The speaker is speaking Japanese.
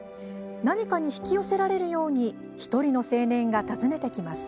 何かに引き寄せられるように１人の青年が訪ねてきます。